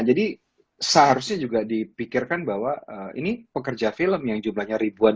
jadi seharusnya juga dipikirkan bahwa ini pekerja film yang jumlahnya ribuan